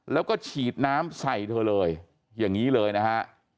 แล้วก็ฉีดน้ำใส่เธอเลยอย่างนี้เลยนะฮะ